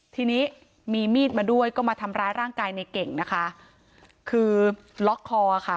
ทีนี้มีมีดมาด้วยก็มาทำร้ายร่างกายในเก่งนะคะคือล็อกคอค่ะ